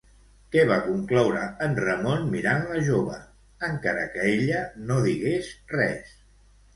Què va concloure en Ramon mirant la jove encara que ella no digués res?